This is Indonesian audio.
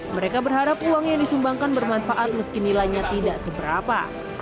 mereka berharap uang yang disumbangkan bermanfaat meski nilainya tidak seberapa